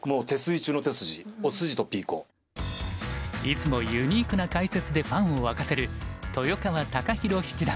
いつもユニークな解説でファンを沸かせる豊川孝弘七段。